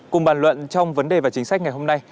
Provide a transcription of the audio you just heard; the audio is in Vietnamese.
cùng bàn luận trong vấn đề và chính sách ngày hôm nay